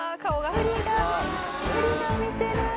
ウリが見てる。